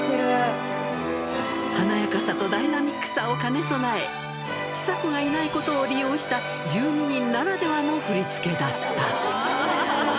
華やかさとダイナミックさを兼ね備え、ちさ子がいないことを利用した、１２人ならではの振り付けだった。